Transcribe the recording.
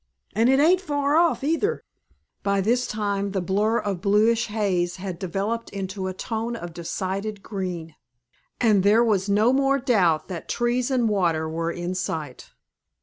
And it ain't far off either!" By this time the blur of bluish haze had developed into a tone of decided green, and there was no more doubt that trees and water were in sight.